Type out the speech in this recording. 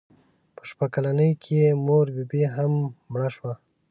په شپږ کلنۍ کې یې مور بي بي هم مړه شوه.